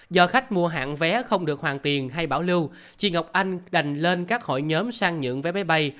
do khách mua hạng vé không được hoàn tiền hay bảo lưu chị ngọc anh đành lên các hội nhóm sang nhượng vé máy bay